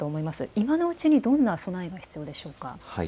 今のうちにどんな備えが必要でしょうか。